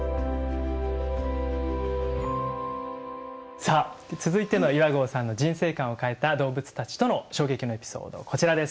さあ続いての岩合さんの人生観を変えた動物たちとの衝撃のエピソードこちらです。